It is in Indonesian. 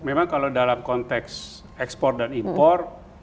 memang kalau dalam konteks ekspor dan impor